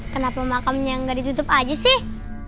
kenapa makamnya nggak ditutup aja sih